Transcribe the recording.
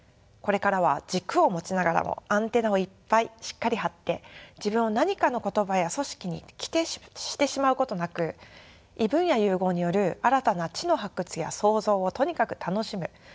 これからは軸を持ちながらもアンテナをいっぱいしっかり張って自分を何かの言葉や組織に規定してしまうことなく異分野融合による新たな知の発掘や創造をとにかく楽しむ。